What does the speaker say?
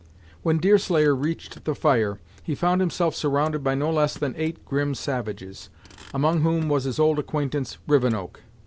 When Deerslayer reached the fire, he found himself surrounded by no less than eight grim savages, among whom was his old acquaintance Rivenoak.